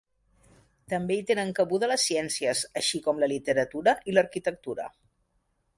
També hi tenen cabuda les ciències, així com la literatura i l’arquitectura.